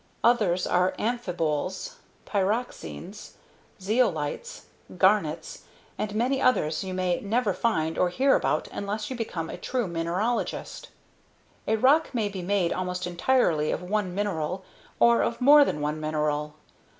Others are amphiboles, pyroxenes, zeolites, garnets and many others you may never find or hear about unless you become a true mineralogist. A rock may be made almost entirely of one mineral or of more than one mineral.